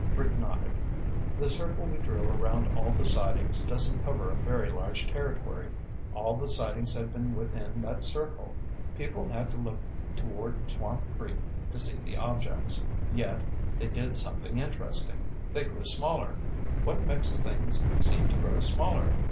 Rick nodded. "The circle we drew around all the sightings doesn't cover a very large territory. All the sightings have been within that circle. People had to look toward Swamp Creek to see the objects. Yet, they did something interesting. They grew smaller. What makes things seem to grow smaller?"